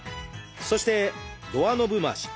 そしてドアノブ回し。